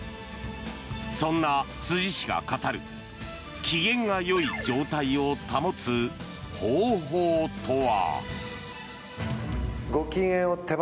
そんな辻氏が語る機嫌がよい状態を保つ方法とは。